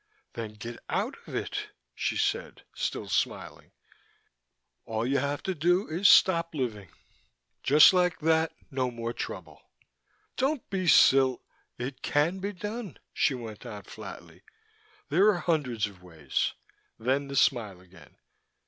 "Then get out of it," she said, still smiling. "You can, you know. It's easy. All you have to do is stop living just like that! No more trouble." "Don't be sil " "It can be done," she went on flatly. "There are hundreds of ways." Then the smile again.